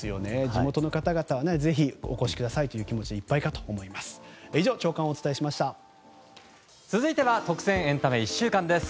地元の方々はぜひお越しくださいという気持ちでいっぱいかと思います。